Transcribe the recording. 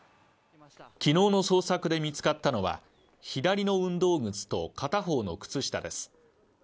昨日の捜索で見つかったのは、左の運動靴と片方の靴下です。